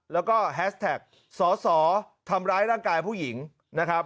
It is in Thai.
แล้วก็แฮสแท็กสอสอทำร้ายร่างกายผู้หญิงนะครับ